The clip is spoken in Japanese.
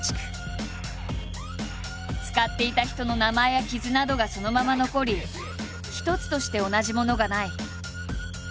使っていた人の名前や傷などがそのまま残り一つとして同じものがない。